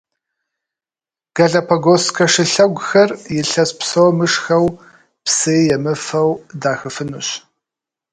Галапагосскэ шылъэгухэр илъэс псо мышхэу, псыи емыфэу дахыфынущ.